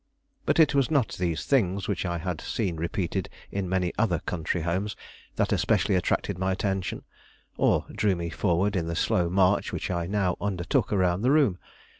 But it was not these things, which I had seen repeated in many other country homes, that especially attracted my attention, or drew me forward in the slow march which I now undertook around the room.